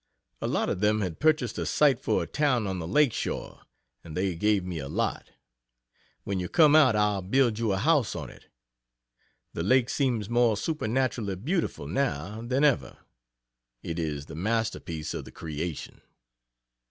A lot of them had purchased a site for a town on the Lake shore, and they gave me a lot. When you come out, I'll build you a house on it. The Lake seems more supernaturally beautiful now, than ever. It is the masterpiece of the Creation.